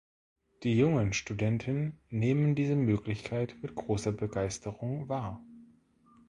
Die jungen Studenten nehmen diese Möglichkeit mit großer Begeisterung wahr.